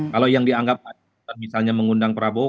kalau yang dianggap ada kejutan misalnya mengundang prabowo kok